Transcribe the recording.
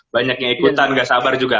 banyaknya ikutan gak sabar juga